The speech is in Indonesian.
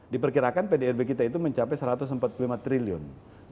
diperkirakan pdrb kita itu mencapai satu ratus empat puluh lima triliun